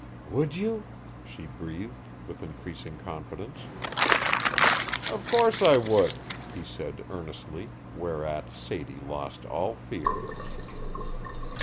"Would you?" she breathed, with increasing confidence. "Of course I would," he said, earnestly, whereat Sadie lost all fear.